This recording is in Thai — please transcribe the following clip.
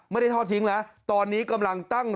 ไม่ได้ทอดทิ้งนะตอนนี้กำลังตั้ง